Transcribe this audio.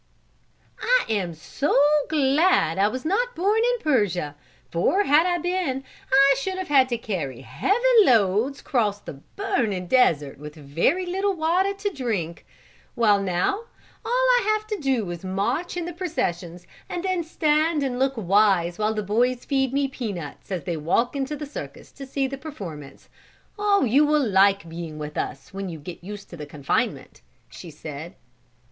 "I am so glad I was not born in Persia, for had I been I should have had to carry heavy loads and cross the burning desert with very little water to drink. While now, all I have to do is to march in the processions and then stand and look wise while the boys feed me peanuts as they walk into the circus to see the performance. Oh, you will like being with us when you get used to the confinement," she said.